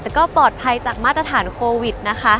แต่ก็ปลอดภัยจากมาตรฐานโควิดนะคะ